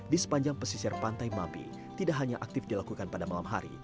di sepanjang pesisir pantai mampi tidak hanya aktif dilakukan pada malam hari